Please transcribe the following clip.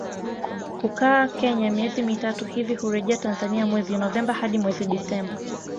kukaa Kenya miezi mitatu hivi hurejea Tanzania mwezi Novemba hadi mwezi Disemba